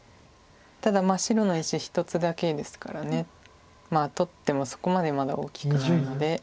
ただ白の石１つだけですから取ってもそこまでまだ大きくないので。